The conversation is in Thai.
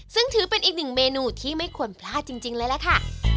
ซึ่งถือเป็นอีกหนึ่งเมนูที่ไม่ควรพลาดจริงเลยล่ะค่ะ